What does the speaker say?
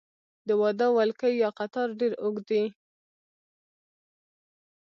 د واده ولکۍ یا قطار ډیر اوږد وي.